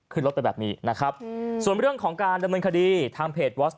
ขึ้นรถไปแบบนี้นะครับส่วนเรื่องของการดำเนินคดีทางเพจวอส